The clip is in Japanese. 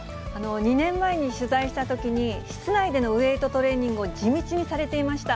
２年前に取材したときに、室内でのウエートトレーニングを地道にされていました。